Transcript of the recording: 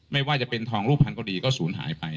ไม่ว่าจะเป็นทองรูปพันธ์ก็ดีก็สูญหายไป